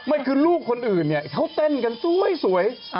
ไม่คือลูกคนอื่นเขาเต้นกันสวย